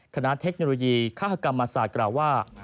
คณะเทคโนโลยีคฮกรรมอาสาธิ์กล่าวว่า